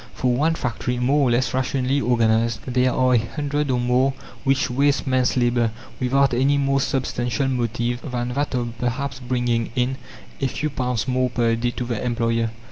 For one factory more or less rationally organized, there are a hundred or more which waste man's labour, without any more substantial motive than that of perhaps bringing in a few pounds more per day to the employer.